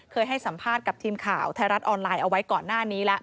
ให้สัมภาษณ์กับทีมข่าวไทยรัฐออนไลน์เอาไว้ก่อนหน้านี้แล้ว